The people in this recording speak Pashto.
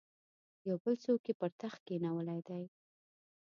یو بل څوک یې پر تخت کښېنولی دی.